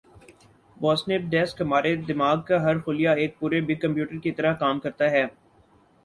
Boston Web desk ہمارے دماغ کا ہر خلیہ ایک پورےبگ کمپیوٹر کی طرح کام کرتا ہے